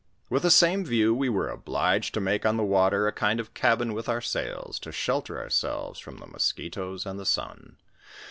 "With the same view we were obliged to make on the water a kind of cabin with our sails, to shelter ourselves from the musquitoes and the sun.